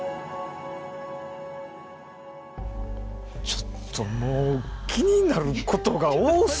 ちょっともう気になることが多すぎて！